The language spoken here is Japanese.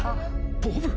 ボブ？